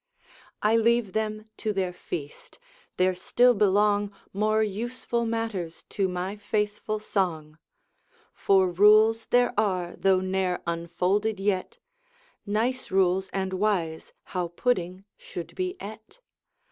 I leave them to their feast. There still belong More useful matters to my faithful song. For rules there are, though ne'er unfolded yet, Nice rules and wise, how pudding should be ate.